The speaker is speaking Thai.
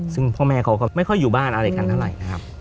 ซึ่งพ่อแม่เขาก็ไม่ค่อยอยู่บ้านอะไรกันเท่าไหร่นะครับ